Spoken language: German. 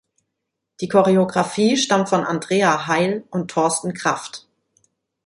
Die Choreographie stammt von Andrea Heil und Thorsten Krafft.